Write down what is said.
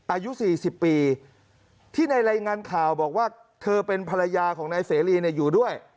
อายุ๔๐ปีที่ในรายงานข่าวบอกว่าเธอเป็นภรรยาของนายเสรีอยู่ด้วย